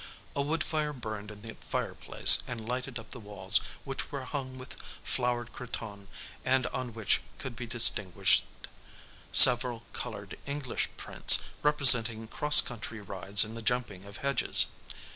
A wood fire burned in the fireplace and lighted up the walls which were hung with flowered cretonne and on which could be distinguished several colored English prints representing cross country rides and the jumping of hedges.